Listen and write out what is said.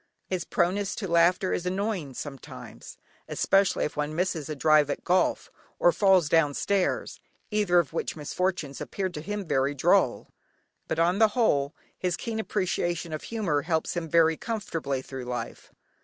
His proneness to laughter is annoying sometimes, especially if one misses a drive at golf, or falls down stairs (either of which misfortunes appear to him very droll) but on the whole his keen appreciation of "humour" helps him very comfortably through life.